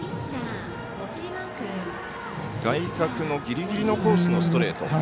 外角のギリギリのコースのストレート。